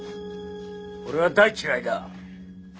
俺は大嫌いだ。